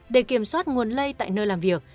để kiểm soát nguồn lây tại nơi làm việc